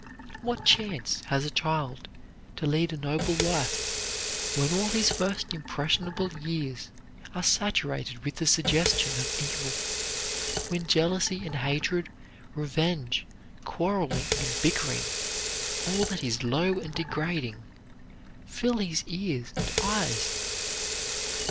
What chance has a child to lead a noble life when all his first impressionable years are saturated with the suggestion of evil, when jealousy and hatred, revenge, quarreling and bickering, all that is low and degrading, fill his ears and eyes?